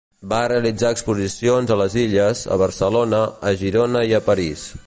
Va realitzar exposicions a les illes, a Barcelona, a Girona i a París.